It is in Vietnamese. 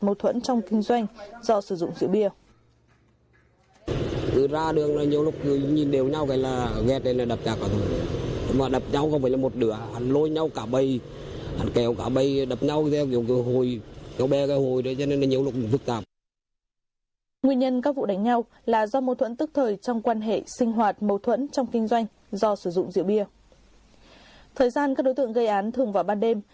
mâu thuẫn trong kinh doanh do sử dụng rượu bia thời gian các đối tượng gây án thường vào ban đêm